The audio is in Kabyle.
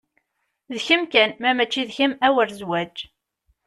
D kem kan, ma mači d kem a wer zwaǧ.